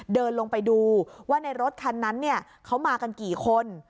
เดินลงไปดูว่าในรถคันนั้นเขามากันกี่คน